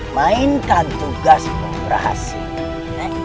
mainkan tugasku rahasia